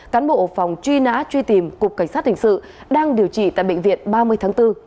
cán bộ phòng truy nã truy tìm cục cảnh sát hình sự đang điều trị tại bệnh viện ba mươi tháng bốn